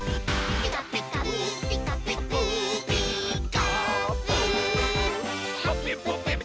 「ピカピカブ！ピカピカブ！」